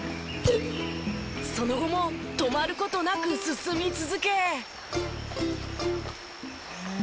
その後も止まる事なく進み続け。